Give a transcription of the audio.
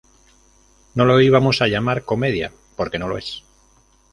No lo íbamos a llamar comedia, porque no lo es'.